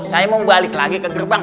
saya mau balik lagi ke gerbang